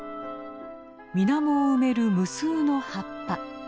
水面を埋める無数の葉っぱ。